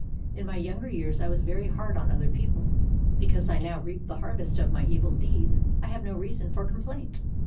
In my younger years I was very hard on other people; because I now reap the harvest of my evil deeds I have no reason for complaint."